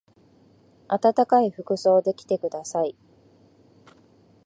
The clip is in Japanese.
あたたかい服装で来てください。